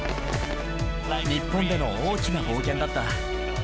日本での大きな冒険だった。